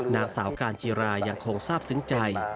นางสาวการจิรายังคงทราบซึ้งใจ